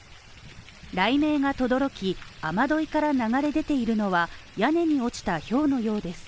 雷鳴がとどろき、雨樋から流れ出ているのは屋根に落ちたひょうのようです。